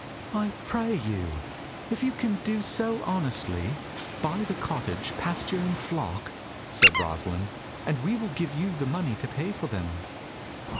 "I pray you, if you can do so honestly, buy the cottage, pasture, and flock," said Rosalind, "and we will give you the money to pay for them."